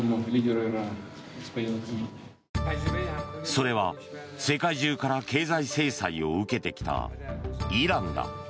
それは世界中から経済制裁を受けてきたイランだ。